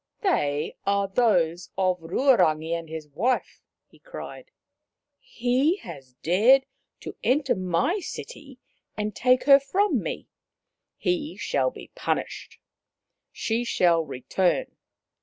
" They are those of Ruarangi and his wife," he cried. " He has dared to enter my city and take her from me. He shall be punished. She shall re turn.